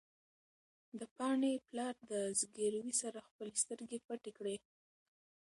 د پاڼې پلار د زګېروي سره خپلې سترګې پټې کړې.